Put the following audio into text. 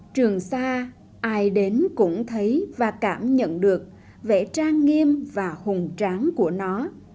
trường sa ai đến cũng thấy và cảm nhận được vẽ trang nghiêm và hùng tráng của nó